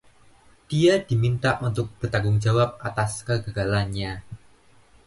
Dia diminta untuk bertanggung jawab atas kegagalannya.